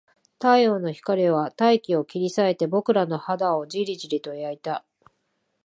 太陽の光は大気を切り裂いて、僕らの肌をじりじりと焼いた